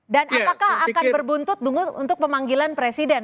dan apakah akan berbuntut untuk pemanggilan presiden